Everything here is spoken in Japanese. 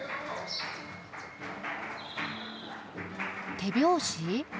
・手拍子？